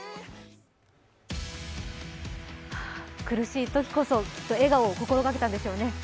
苦しいときこそ、笑顔を心がけたんでしょうね。